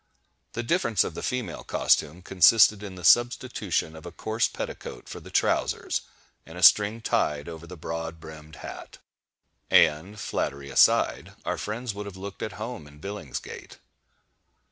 The difference of the female costume consisted in the substitution of a coarse petticoat for the trowsers, and a string tied over the broad brimmed hat;—and, flattery aside, our friends would have looked at home in Billingsgate.